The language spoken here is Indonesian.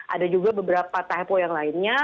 ada juga beberapa tahap yang lainnya